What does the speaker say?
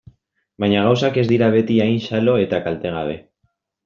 Baina gauzak ez dira beti hain xalo eta kaltegabe.